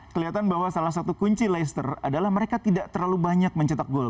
kelihatan bahwa salah satu kunci leicester adalah mereka tidak terlalu banyak mencetak gol